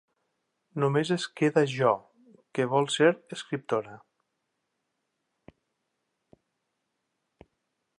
Només es queda Jo, que vol ser escriptora.